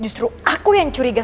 justru aku yang curiga